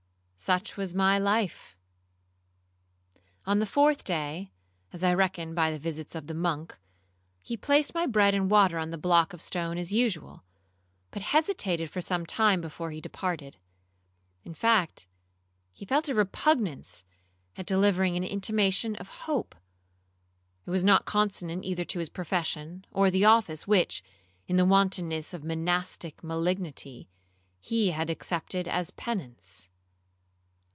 Such was my life. On the fourth day, (as I reckoned by the visits of the monk), he placed my bread and water on the block of stone as usual, but hesitated for some time before he departed. In fact, he felt a repugnance at delivering an intimation of hope; it was not consonant either to his profession, or the office which, in the wantonness of monastic malignity, he had accepted as penance.